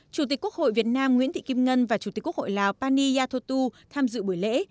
chủ tịch quốc hội việt nam nguyễn thị kim ngân và chủ tịch quốc hội lào pani yathotu tham dự buổi lễ